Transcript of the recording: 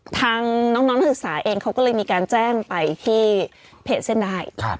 ทางน้องนักศึกษาเองเขาก็เลยมีการแจ้งไปที่เพจเส้นได้